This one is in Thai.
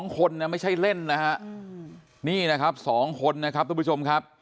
๒คนนะไม่ใช่เล่นนะฮะนี่นะครับ๒คนนะครับทุกผู้ชมครับ